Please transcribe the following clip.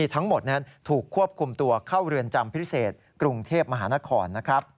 ทั้งหมดนั้นถูกควบคุมตัวเข้าเรือนจำพิเศษกรุงเทพมหานคร